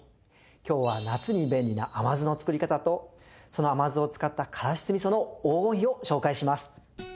今日は夏に便利な甘酢の作り方とその甘酢を使った辛子酢味噌の黄金比を紹介します。